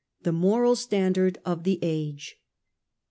THE MORAL STANDARD OF THE AGE.